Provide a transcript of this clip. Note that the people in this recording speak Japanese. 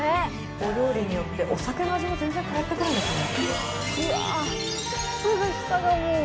お料理によって、お酒の味も全然変わってくるんですね。